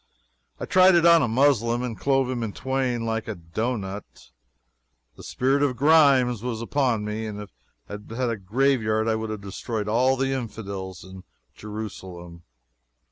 I tried it on a Moslem, and clove him in twain like a doughnut. The spirit of Grimes was upon me, and if I had had a graveyard I would have destroyed all the infidels in Jerusalem.